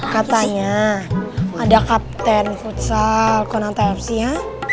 katanya ada kapten futsal konanta fc nya